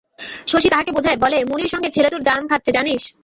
শশী তাহাকে বোঝায়, বলে, মুড়ির সঙ্গে ছেলে তোর জার্ম খাচ্ছে জানিস?